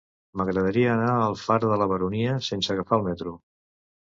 M'agradaria anar a Alfara de la Baronia sense agafar el metro.